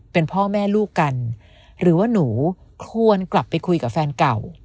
เป็นพ่อแม่ลูกกันหรือว่าหนูควรกลับไปคุยกับแฟนเก่า